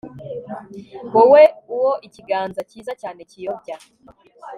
Wowe uwo ikiganza cyiza cyane kiyobya